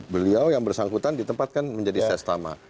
beliau yang bersangkutan ditempatkan menjadi sestama